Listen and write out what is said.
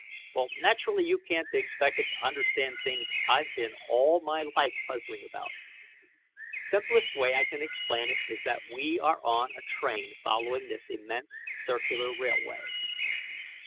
"Naturally you can't be expected to understand things I've been all my life puzzling about. Simplest way I can explain it is that we are on a train following this immense circular railway.